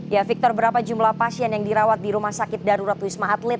ya victor berapa jumlah pasien yang dirawat di rumah sakit darurat wisma atlet